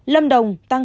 lâm đồng tăng hai mươi